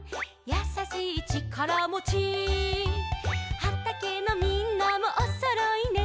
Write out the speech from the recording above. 「やさしいちからもち」「はたけのみんなもおそろいね」